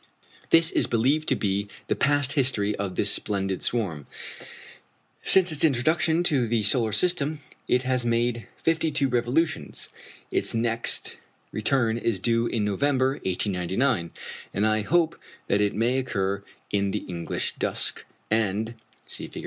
This is believed to be the past history of this splendid swarm. Since its introduction to the solar system it has made 52 revolutions: its next return is due in November, 1899, and I hope that it may occur in the English dusk, and (see Fig.